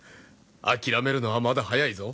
諦めるのはまだ早いぞ。